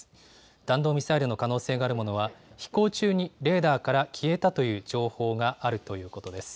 弾道ミサイルの可能性があるものは、飛行中にレーダーから消えたという情報があるということです。